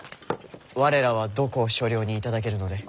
我らはどこを所領に頂けるので？